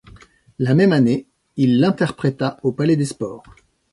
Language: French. La même année, il l’interpréta au Palais des Sports.